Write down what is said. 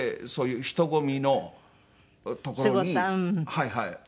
はいはい。